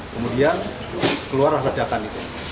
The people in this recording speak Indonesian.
kemudian keluar redakan itu